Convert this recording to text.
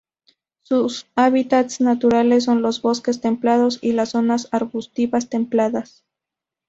Sus hábitats naturales son los bosques templados y las zonas arbustivas templadas.